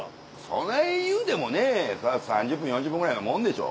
そないいうてもね３０分４０分ぐらいのもんでしょ。